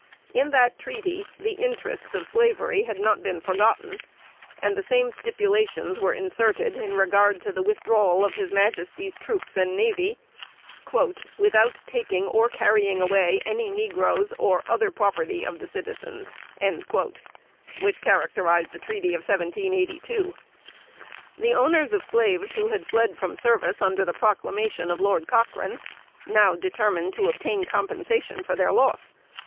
In that treaty the interests of Slavery had not been forgotten; and the same stipulations were inserted, in regard to the withdrawal of his Majesty's troops and navy, "without taking or carrying away any negroes or other property of the citizens," which characterized the treaty of 1782. The owners of slaves who had fled from service under the proclamation of Lord Cochrane, now determined to obtain compensation for their loss.